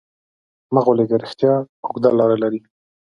مه غولېږه، رښتیا اوږده لاره لري.